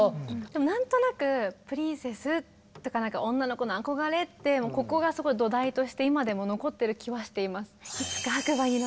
でもなんとなくプリンセスとか女の子の憧れってここがすごい土台として今でも残ってる気はしています。